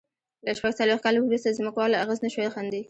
له شپږ څلوېښت کال وروسته ځمکوالو اغېز نه شوای ښندي.